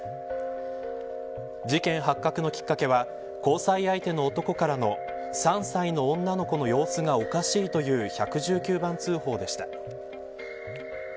事件発覚のきっかけは交際相手の男からの３歳の女の子の様子がおかしいという１１９番通報でした。